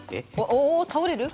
お倒れる？